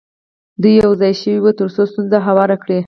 دوی یو ځای شوي وي تر څو ستونزه هواره کړي.